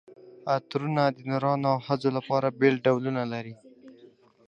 عطرونه د نرانو او ښځو لپاره بېل ډولونه لري.